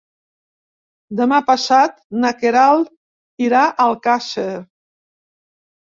Demà passat na Queralt irà a Alcàsser.